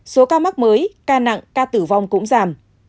số ca mắc mới ca nặng ca tử vong cũng giảm